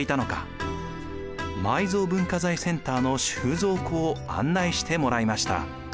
埋蔵文化財センターの収蔵庫を案内してもらいました。